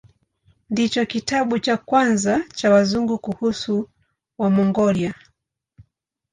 Ndicho kitabu cha kwanza cha Wazungu kuhusu Wamongolia.